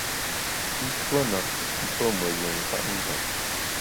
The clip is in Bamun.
I tuo na i pe me yin kwet njap.